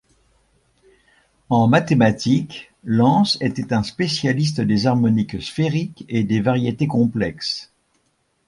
En mathématiques, Lense était un spécialiste des harmoniques sphériques et des variétés complexes.